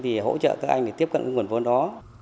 thì hỗ trợ các anh để tiếp cận cái nguồn vốn đó